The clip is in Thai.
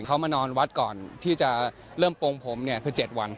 เขามานอนวัดก่อนที่จะเริ่มโปรงผมเนี่ยคือ๗วัน